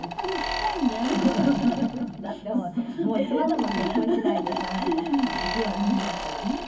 いつまでも結婚しないでいくような話だったじゃない？」